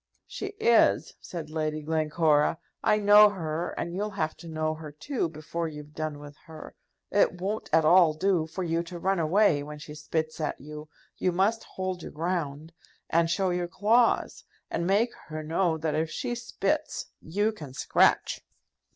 "She is," said Lady Glencora. "I know her, and you'll have to know her, too, before you've done with her. It won't at all do for you to run away when she spits at you. You must hold your ground, and show your claws, and make her know that if she spits, you can scratch."